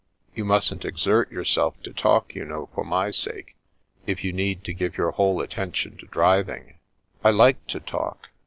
You mustn't exert yourself to talk, you know, for my sake, if you need to give your whole attention to driving." "I like to talk.